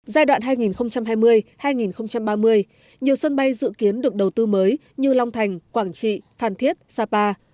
giai đoạn hai nghìn hai mươi hai nghìn ba mươi nhiều sân bay dự kiến được đầu tư mới như long thành quảng trị thàn thiết sapa